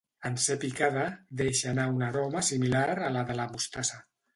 En ser picada deixa anar una aroma similar a la de la mostassa.